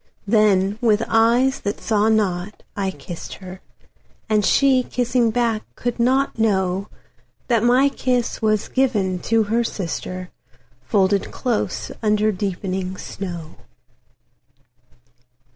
Then, with eyes that saw not, I kissed her; And she, kissing back, could not knowThat my kiss was given to her sister, Folded close under deepening snow.